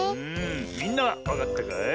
みんなはわかったかい？